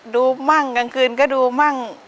มั่งกลางคืนก็ดูมั่ง